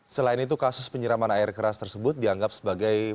selain itu kasus penyeraman air keras tersebut dianggap tergantung